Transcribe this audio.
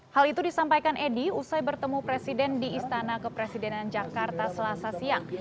hal itu disampaikan edi usai bertemu presiden di istana kepresidenan jakarta selasa siang